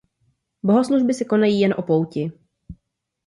Bohoslužby se konají jen o pouti.